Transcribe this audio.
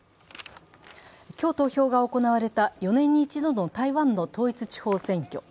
今日、投票が行われた４年に一度の台湾の統一地方選挙。